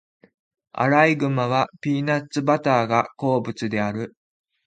アライグマはピーナッツバターが好物である。